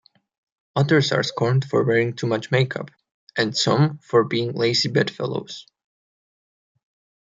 Others are scorned for wearing too much makeup, and some for being "lazy bedfellows".